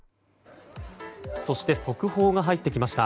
そして速報が入ってきました。